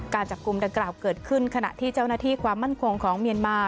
การจับกลุ่มดังกล่าวเกิดขึ้นขณะที่เจ้าหน้าที่ความมั่นคงของเมียนมา